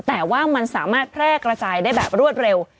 แต่ว่ามันสามารถแพร่กระจายได้แบบรวดเร็ว